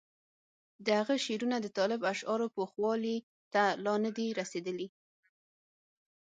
د هغه شعرونه د طالب اشعارو پوخوالي ته لا نه دي رسېدلي.